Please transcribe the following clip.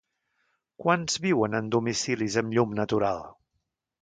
Quants viuen en domicilis amb llum natural?